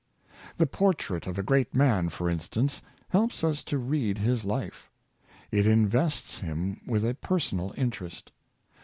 The portrait of a great man, for instance, helps us to read his life. It invests him with a personal interest.